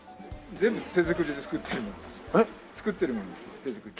全部手作りで作ってるものです。